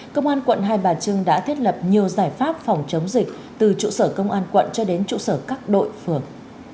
công an quận hai bà trưng đã thiết lập nhiều giải pháp phòng chống dịch từ trụ sở công an quận cho đến trụ sở các đội phường